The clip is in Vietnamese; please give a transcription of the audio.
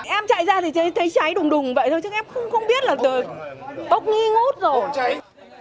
em chạy ra thì thấy cháy đùng đùng vậy thôi chứ em không biết là tốc nghi ngút rồi